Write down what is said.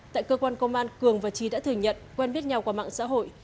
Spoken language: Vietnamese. tại cơ quan công an cường và trí đã thừa nhận quen biết nhau qua mạng xã hội